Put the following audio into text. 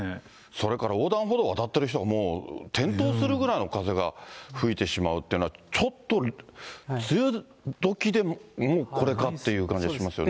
それから横断歩道渡ってる人が転倒するぐらいの風が吹いてしまうっていうのは、ちょっと梅雨どきで、もうこれかっていう感じがしますよね。